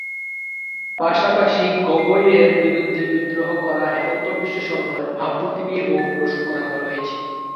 পাশাপাশি গগৈয়ের বিরুদ্ধে বিদ্রোহ করা হেমন্ত বিশ্বশর্মার ভাবমূর্তি নিয়ে বহু প্রশ্ন রয়েছে।